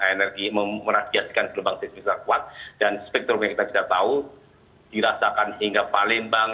energi meradiasikan gelombang bisnis yang kuat dan spektrum yang kita sudah tahu dirasakan sehingga palembang